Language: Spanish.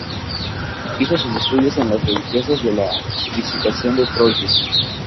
Hizo sus estudios con las Religiosas de la Visitación de Troyes.